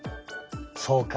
そうか。